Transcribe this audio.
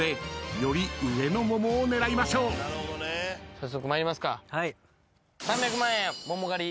早速参りますか。